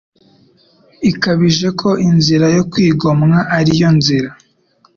ikabije ko inzira yo kwigomwa ari yo nzira